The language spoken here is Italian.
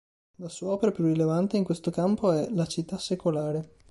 La sua opera più rilevante in questo campo è "La città secolare".